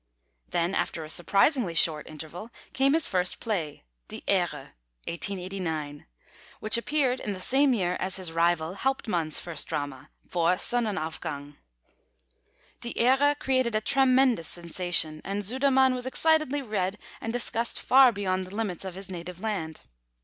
Then, after a surprisingly short interval, came his first play, Die Ehre (1889), which appeared in the same year as his rival Hauptmann's first drama, Vor Sonnenaufgang. Die Ehre created a tremendous sensation, and Sudermann was excitedly read and discussed far beyond the limits of his native land.